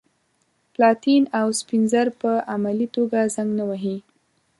پلاتین او سپین زر په عملي توګه زنګ نه وهي.